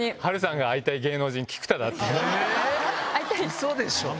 ウソでしょ。